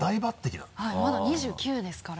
はいまだ２９ですから。